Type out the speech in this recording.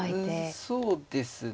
うんそうですね。